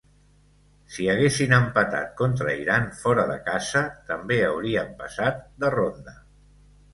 Si haguessin empatat contra Iran fora de casa, també haurien passat de ronda.